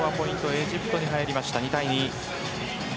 エジプトに入りました、２対２です。